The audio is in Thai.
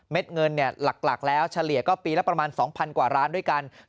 เงินหลักแล้วเฉลี่ยก็ปีละประมาณ๒๐๐กว่าร้านด้วยกัน